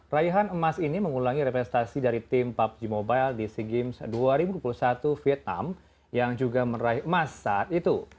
raihan emas ini mengulangi representasi dari tim pubg mobile di sea games dua ribu dua puluh satu vietnam yang juga meraih emas saat itu